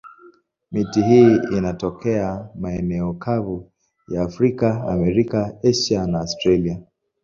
Miti hii inatokea maeneo kavu ya Afrika, Amerika, Asia na Australia.